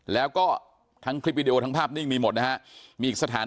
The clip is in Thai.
แล้วก็ทั้งคลิปวีดีโอทั้งภาพนิ่งมีหมดนะครับ